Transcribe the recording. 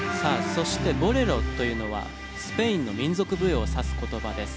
そして『ボレロ』というのはスペインの民族舞踊を指す言葉です。